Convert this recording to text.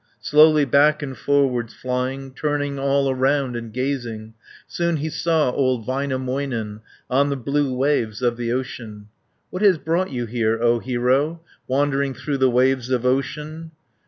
50 Slowly back and forwards flying, Turning all around, and gazing, Soon he saw old Väinämöinen On the blue waves of the ocean. "What has brought you here, O hero, Wandering through the waves of ocean?"